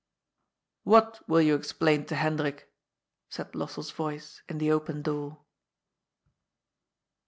^^What will you explain to Hendrik?" said Lossell's voice in the open door.